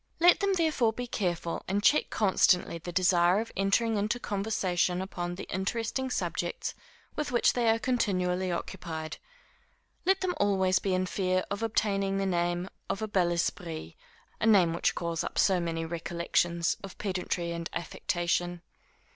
Let them therefore be careful, and check constantly the desire of entering into conversation upon the interesting subjects with which they are continually occupied. Let them always be in fear of obtaining the name of a bel esprit, a name which calls up so many recollections of pedantry and affectation.